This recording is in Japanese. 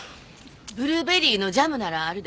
ブルーベリーのジャムならあるで。